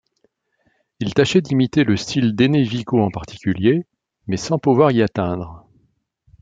Il tâchait d'imiter le style d'Énée Vico en particulier, mais sans pouvoir y atteindre.